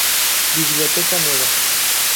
Biblioteca Nueva.